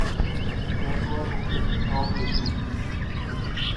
全國統整的消費數據